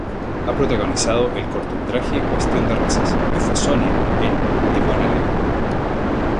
Ha protagonizado el cortometraje "Cuestión de razas" y fue Sonia en "De Buena ley".